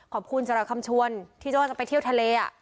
ขอบคุณสำหรับคำชวนที่เจ้าว่าจะไปเที่ยวทะเล